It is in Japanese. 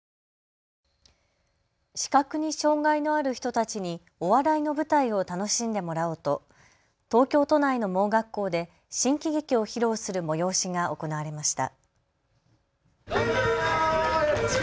視覚に障害のある人たちにお笑いの舞台を楽しんでもらおうと東京都内の盲学校で新喜劇を披露する催しが行われました。